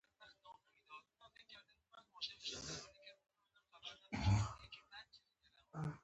خو د فرض د پوره کولو د پاره که ترک سنت هم وکو.